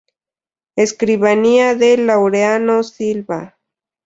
Escribanía de Laureano Silva.